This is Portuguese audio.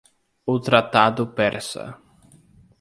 O Tratado Persa